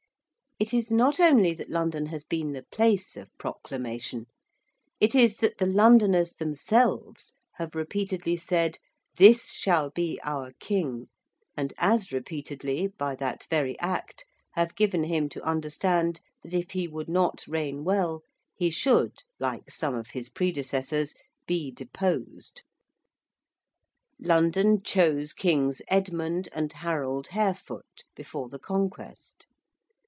It is not only that London has been the place of proclamation: it is that the Londoners themselves have repeatedly said, 'This shall be our King': and, as repeatedly, by that very act, have given him to understand that if he would not reign well he should, like some of his predecessors, be deposed. London chose Kings Edmund and Harold Harefoot, before the Conquest.